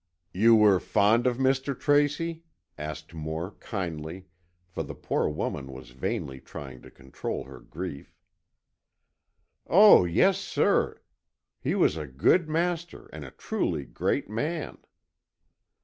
"You were fond of Mr. Tracy?" asked Moore, kindly, for the poor woman was vainly trying to control her grief. "Oh, yes, sir. He was a good master and a truly great man."